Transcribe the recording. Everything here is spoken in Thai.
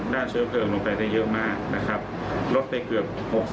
ด้านเชื้อเผิมลงไปได้เยอะมากลดไปเกือบ๖๐๗๐